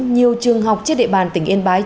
nhiều trường học trên địa bàn tỉnh yên bái